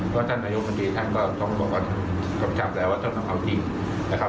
ว่าท่านนายุมันดีท่านก็ต้องบอกว่าทำชาติแล้วว่าท่านต้องเอาจริงนะครับ